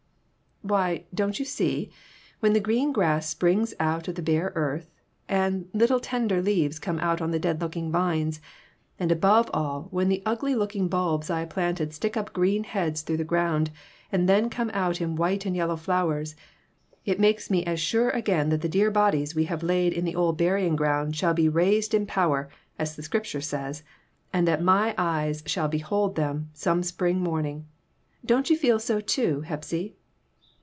" "Why, don't you see? When the green grass springs out of the bare earth, and little tender leaves come out on the dead looking vines, and above all, when the ugly looking bulbs I planted stick up green heads through the ground, and then come out in white and yellow flowers, it makes me as sure again that the dear bodies I have laid in the old burying ground shall 'be raised in power,' as the Scripture says, and that my eyes shall behold them ' some spring morn ing. Don't you feel so, too, Hepsy